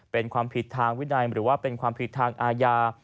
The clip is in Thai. เป็นความผิดทางวินัยหรือว่าเป็นความผิดทางอาญา